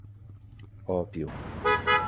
ópio